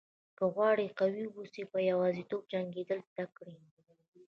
که غواړئ قوي واوسئ په یوازیتوب جنګېدل زده کړئ.